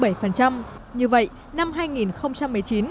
như vậy năm hai nghìn một mươi chín việt nam đã đạt kỷ niệm tổng kim ngạch xuất khẩu